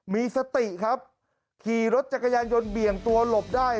มีสติครับขี่รถจักรยานยนต์เบี่ยงตัวหลบได้